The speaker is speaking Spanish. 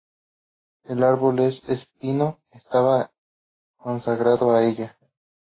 El árbol de espino estaba consagrado a ella.